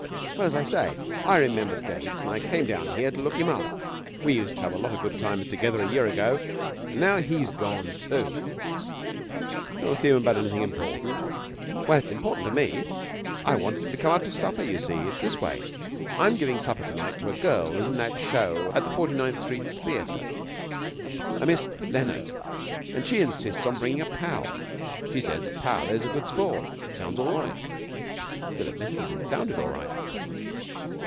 'Well, as I say, I remembered Gates and came down here to look him up. We used to have a lot of good times together a year ago. And now he's gone too!' 'Did you want to see him about anything important?' 'Well, it's important to me. I wanted him to come out to supper. You see, it's this way: I'm giving supper to night to a girl who's in that show at the Forty ninth Street Theatre, a Miss Leonard, and she insists on bringing a pal. She says the pal is a good sport, which sounds all right ' Bill admitted that it sounded all right.